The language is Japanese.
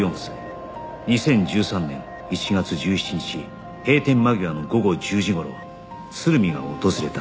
２０１３年１月１７日閉店間際の午後１０時頃鶴見が訪れた